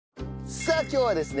さあ今日はですね